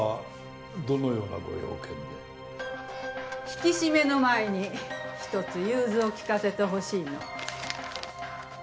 引き締めの前に一つ融通を利かせてほしいの。